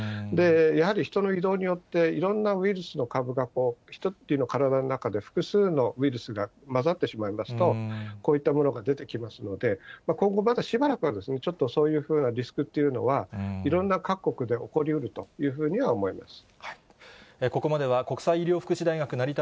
やはり人の移動によって、いろんなウイルスの株が一つの体の中で、複数のウイルスが混ざってしまいますと、こういったものが出てきますので、今後、まだしばらくは、ちょっとそういうふうなリスクというのは、いろんな各国で起こりうるというふうには思います。